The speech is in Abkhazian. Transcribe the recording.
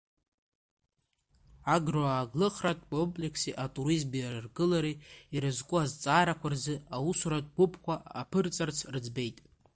Агроааглыхратә комплекси атуризми аргылареи ирызку азҵаарақәа рзы аусуратә гәыԥқәа аԥырҵарц рыӡбеит.